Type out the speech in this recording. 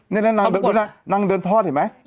นี่นางเดินทอดเห็นไหม